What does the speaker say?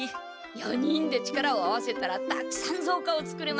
４人で力を合わせたらたくさんぞうかを作れます。